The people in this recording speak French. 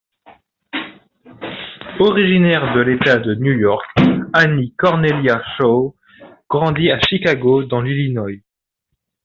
Originaire de l'État de New York, Annie Cornelia Shaw grandit à Chicago dans l'Illinois.